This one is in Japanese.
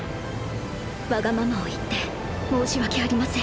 わがままを言って申し訳ありません。